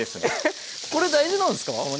えこれ大事なんですか？